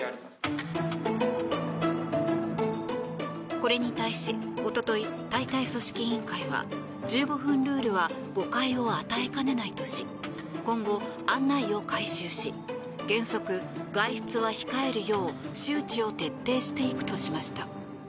これに対し、おととい大会組織委員会は１５分ルールは誤解を与えかねないとし今後、案内を回収し原則、外出は控えるよう周知を徹底していくとしました。